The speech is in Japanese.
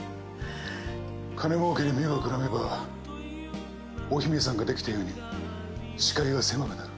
金儲けに目がくらめばお姫さんができたように視界が狭くなる。